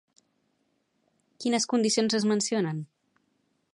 Quines condicions es mencionen?